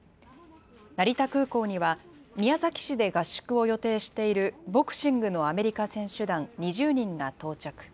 成田空港には、宮崎市で合宿を予定しているボクシングのアメリカ選手団２０人が到着。